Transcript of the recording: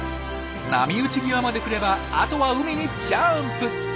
波打ち際まで来ればあとは海にジャンプ！